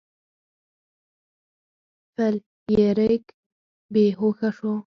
فلیریک بې هوښه شو.